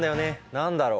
何だろう？